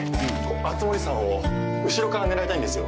熱護さんを後ろから狙いたいんですよ。